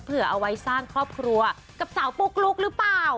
เอาไว้สร้างครอบครัวกับสาวปุ๊กลุ๊กหรือเปล่า